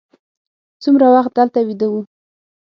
څومره وخت دلته ویده وو.